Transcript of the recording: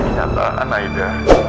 ini adalah aida